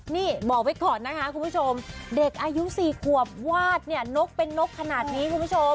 นี่บอกไว้ก่อนนะคะคุณผู้ชมเด็กอายุ๔ขวบวาดเนี่ยนกเป็นนกขนาดนี้คุณผู้ชม